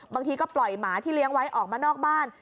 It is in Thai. บางทีก็ปล่อยหมาที่เลี้ยงไว้ออกมานอกบ้าน